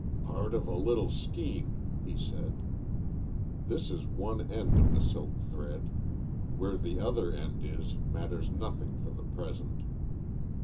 "Part of a little scheme," he said. "This is one end of the silk thread. Where the other end is matters nothing for the present.